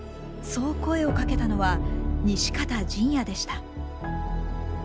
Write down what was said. そう声をかけたのは西方仁也でした。